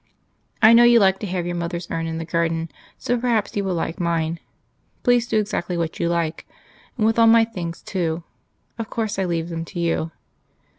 I know you liked to have your mother's urn in the garden; so perhaps you will like mine. Please do exactly what you like. And with all my things too. Of course I leave them to you.